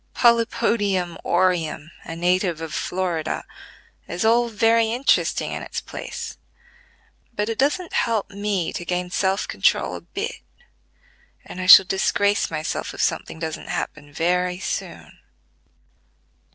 "Polypodium aureum, a native of Florida," is all very interesting in its place; but it doesn't help me to gain self control a bit, and I shall disgrace myself if something doesn't happen very soon."